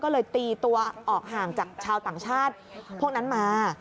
ก็เลยตีตัวออกห่างจากชาวต่างชาติพวกนั้นมา